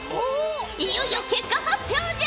いよいよ結果発表じゃ！